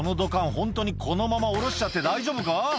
ホントにこのまま降ろしちゃって大丈夫か？」